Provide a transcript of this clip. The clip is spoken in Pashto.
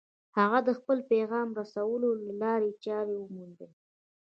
هغه د خپل پيغام رسولو لارې چارې وموندلې.